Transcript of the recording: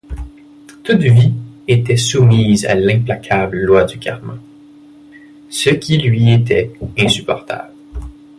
Toute vie était soumise à l'implacable loi du Karma, ce qui lui était insupportable.